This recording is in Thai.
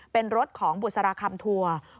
เป็นรถของบุษราคำทัวร์